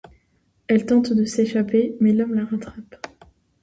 Elle tente de s'échapper, mais l'homme la rattrape.